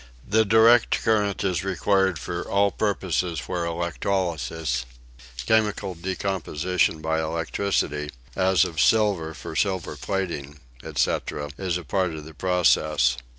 The direct current is required for all purposes where electrolysis (chemical decomposition by electricity, as of silver for silver plating, etc.) is a part of the process.